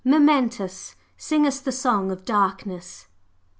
Myrmentis, sing us the 'Song of Darkness.